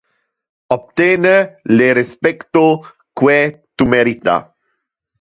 Obtene le respecto que tu merita.